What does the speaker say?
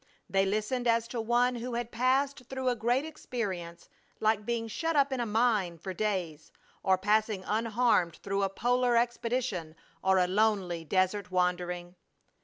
They listened as to one who had passed through a great experience like being shut up in a mine for days, or passing unharmed through a polar expedition or a lonely desert wandering.